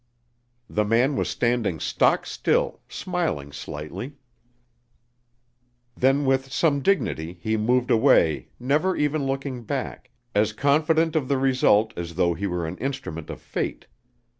The man was standing stock still, smiling slightly. Then with some dignity he moved away never even looking back, as confident of the result as though he were an instrument of Fate.